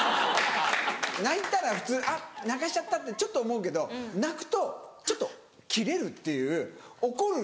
泣いたら普通泣かしちゃったってちょっと思うけど泣くとちょっとキレるっていう怒る。